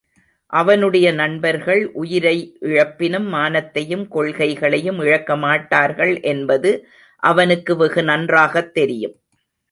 அவனுடைய நண்பர்கள் உயிரை இழப்பினும், மானத்தையும், கொள்கைகளையும் இழக்க மாட்டார்கள் என்பது அவனுக்கு வெகு நன்றாகத்தெரியும்.